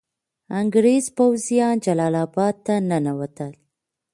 انګریز پوځیان جلال اباد ته ننوتل.